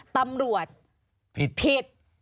ตำรวจผิด